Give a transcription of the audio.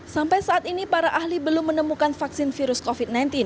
sampai saat ini para ahli belum menemukan vaksin virus covid sembilan belas